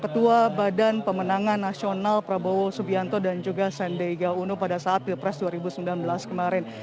ketua badan pemenangan nasional prabowo subianto dan juga sendega uno pada saat pilpres dua ribu sembilan belas kemarin